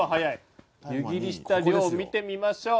湯切りした量を見てみましょう。